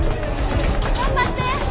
頑張って！